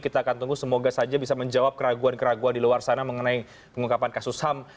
kita akan tunggu semoga saja bisa menjawab keraguan keraguan di luar sana mengenai pengungkapan kasus ham